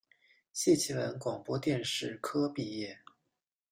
谢其文广播电视科毕业。